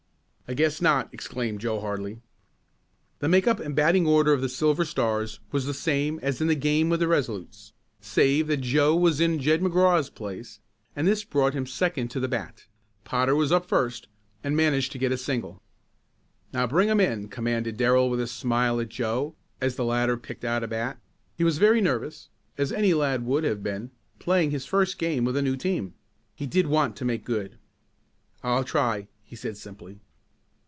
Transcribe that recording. "I guess not!" exclaimed Joe heartily. The make up and batting order of the Silver Stars was the same as in the game with the Resolutes save that Joe was in Jed McGraw's place, and this brought him second to the bat. Potter was up first and managed to get a single. "Now, bring him in," commanded Darrell with a smile at Joe, as the latter picked out a bat. He was very nervous, as any lad would have been, playing his first game with a new team. He did want to make good! "I'll try," he said simply.